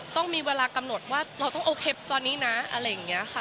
ต้องมีเวลากำหนดว่าเราต้องเอาเคปตอนนี้นะอะไรอย่างนี้ค่ะ